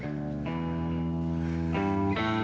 sapunlah konsumen tahu kita